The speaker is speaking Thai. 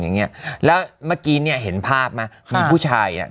อย่างเงี้ยแล้วเมื่อกี้เนี้ยเห็นภาพไหมมีผู้ชายอ่ะ